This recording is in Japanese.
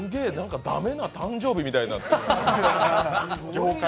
駄目な誕生日みたいになってる、業界の。